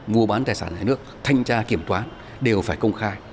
mua bán tài sản nhà nước thanh tra kiểm toán đều phải công khai